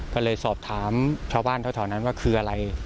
ก็เลยสอบถามชาวบ้านแถวนั้นว่าคืออะไร